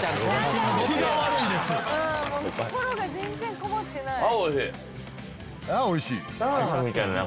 心が全然こもってない。